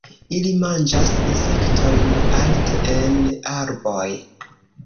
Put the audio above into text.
Ii manĝas insektojn alte en arboj.